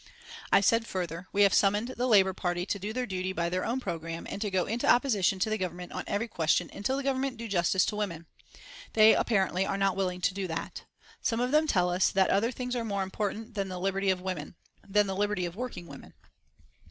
I said further: "We have summoned the Labour Party to do their duty by their own programme, and to go into opposition to the Government on every question until the Government do justice to women. They apparently are not willing to do that. Some of them tell us that other things are more important than the liberty of women than the liberty of working women.